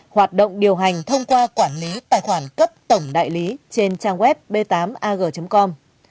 hoạt động điều hành thông qua quản lý tài khoản cấp tổng đại lý trên trang web b tám ag com